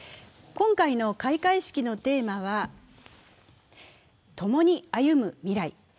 今回の開会式のテーマは共に歩む未来。